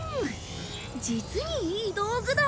実にいい道具だ。